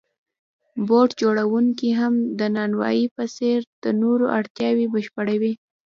بوټ جوړونکی هم د نانوای په څېر د نورو اړتیاوې بشپړوي